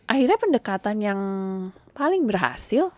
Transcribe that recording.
akhirnya pendekatan yang paling berhasil